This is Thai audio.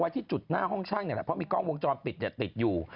ที่จุดหน้าห้องช่างเนี่ยมีกล้องวงจรปิดอยู่